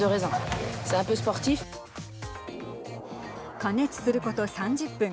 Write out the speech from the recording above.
加熱すること３０分。